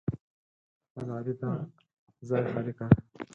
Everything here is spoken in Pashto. احمد؛ علي ته ځای خالي کړ.